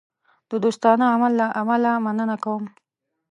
د دوستانه عمل له امله مننه کوم.